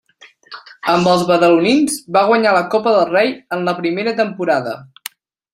Amb els badalonins va guanyar la Copa del Rei en la primera temporada.